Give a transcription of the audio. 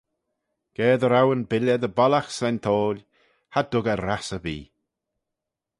Ga ry row yn billey dy bollagh slayntoil, cha dug eh rass erbee.